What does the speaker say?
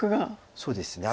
そうですね。